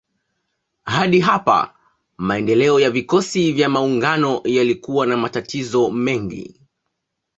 Hadi hapa maendeleo ya vikosi vya maungano yalikuwa na matatizo mengi.